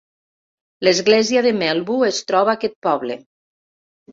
L'església de Melbu es troba a aquest poble.